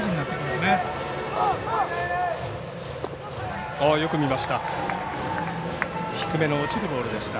よく見ました。